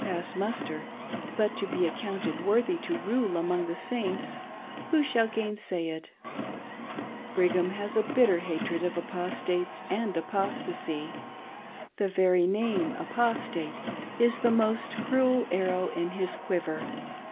pass muster hu,t to be accounted worthy to rule among the Saints, who shall gainsay it ? Brigham has a bitter hatred of Apostates and apostacy. The very name —" Apostate "— is the most cruel arrow in his quiver.